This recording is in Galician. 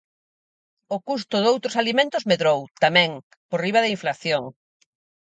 O custo doutros alimentos medrou, tamén, por riba da inflación.